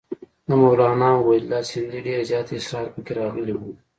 د مولنا عبیدالله سندي ډېر زیات اسرار پکې راغلي وو.